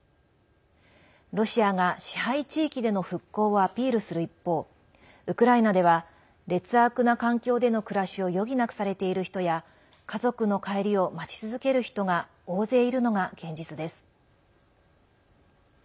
ロシアが支配地域での復興をアピールする一方ウクライナでは劣悪な環境での暮らしを余儀なくされている人や家族の帰りを待ち続ける人が大勢いるのが現実です。